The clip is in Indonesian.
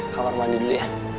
kamar mandi dulu ya